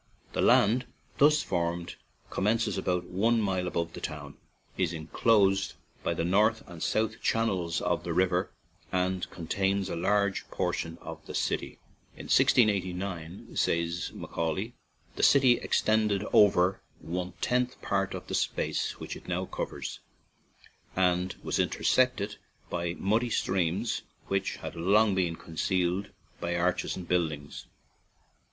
The island thus formed com mences about one mile above the town, is enclosed by the north and south channels of the river, and contains a large portion of the city. "In 1689/' says Macaulay, "the city extended over about one tenth part of the space which it now covers, and was intersected by muddy streams which had long been concealed by arches and buildings.